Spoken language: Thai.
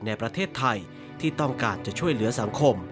ในประเทศไทยที่ต้องการจะช่วยเหลือสังคม